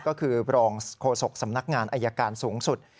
ก็คือรองโฆษกสำนักงานอายการสูงสุด